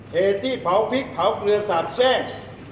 เหตุที่เผาพริกเผาเกลือสาบแช่ง